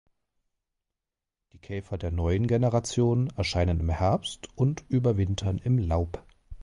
Die Käfer der neuen Generation erscheinen im Herbst und überwintern im Laub.